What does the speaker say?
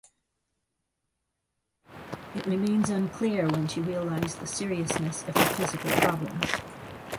It remains unclear when she realised the seriousness of her physical problems.